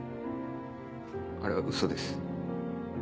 あれはうそです。